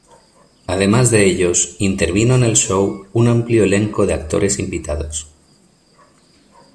Además de ellos, intervino en el show un amplio elenco de actores invitados.